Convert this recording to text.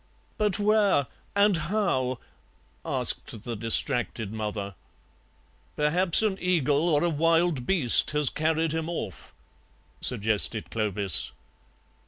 "But where? And how?" asked the distracted mother. "Perhaps an eagle or a wild beast has carried him off," suggested Clovis.